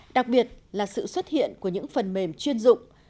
đặc biệt là sự xuất hiện của những phần mềm chuyên dụng